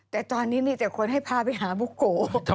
แต่ตอนนี้มีแต่คนให้พาไปหาบุโก